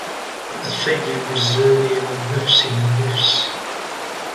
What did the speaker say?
الثَّيِّبِ الزَّانِي، وَالنَّفْسِ بِالنَّفْسِ،